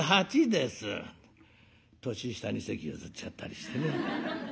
年下に席譲っちゃったりしてね。